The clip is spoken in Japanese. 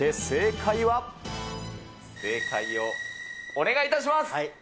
正解をお願いいたします。